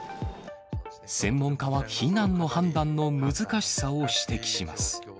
専門家は避難の判断の難しさを指摘します。